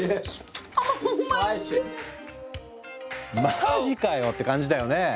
マジかよ！って感じだよね。